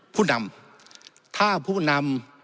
ผู้นำถ้าผู้นำ